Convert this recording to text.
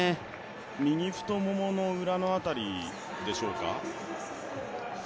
右太ももの裏の辺りでしょうか？